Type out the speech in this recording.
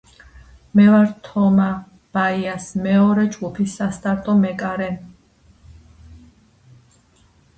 მე ვარ თომა ბაიას მეორე ჯგუფის სასტარტო მეკარე